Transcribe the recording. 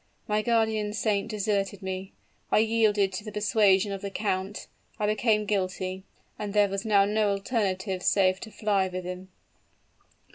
My guardian saint deserted me; I yielded to the persuasion of the count I became guilty and there was now no alternative save to fly with him!